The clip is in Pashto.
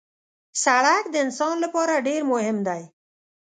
سړک د انسان لپاره ډېر مهم دی.